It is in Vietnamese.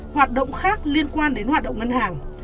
hoạt động khác liên quan đến hoạt động ngân hàng